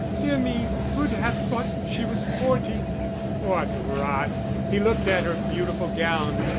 'Dear me, who'd have thought she was forty!'" "What rot!" He looked at her beautiful gown.